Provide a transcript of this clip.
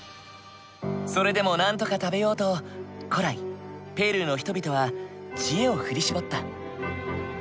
それでもなんとか食べようと古来ペルーの人々は知恵を振り絞った。